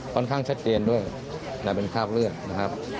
ค่อนข้างชัดเจนด้วยนะเป็นคราบเลือดนะครับ